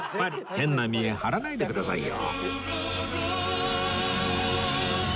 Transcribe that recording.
変な見栄張らないでくださいよ